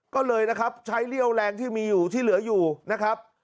ก็เลยนะครับใช้เรี่ยวแรงที่มีอยู่ที่เหลืออยู่นะครับ